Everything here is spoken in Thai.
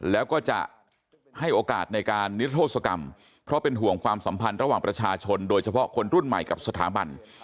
แล้วก็จะให้โอกาสในการนิทธศกรรมเพราะเป็นห่วงความสัมพันธ์ระหว่างประชาชนโดยเฉพาะคนรุ่นใหม่กับสถาบัน